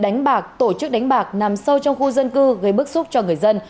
đánh bạc tổ chức đánh bạc nằm sâu trong khu dân cư gây bức xúc cho người dân